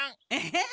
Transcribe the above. えっ！？